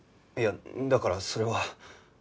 いやだからそれは。